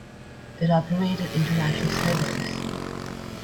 It operated international services.